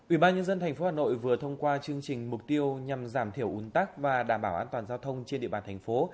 ủy ban nhân dân tp hà nội vừa thông qua chương trình mục tiêu nhằm giảm thiểu uốn tắc và đảm bảo an toàn giao thông trên địa bàn thành phố